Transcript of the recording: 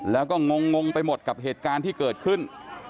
แล้วก็งงไปหมดกับเหตุการณ์ที่เกิดขึ้น